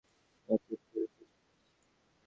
আমি বললাম, আপনার খাতাটা কাল রাতে পড়ে শেষ করেছি।